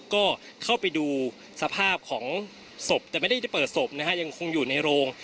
ก็เข้าไปดูสภาพของศพแต่ไม่ได้เปิดศพนะฮะยังคงอยู่ในโรง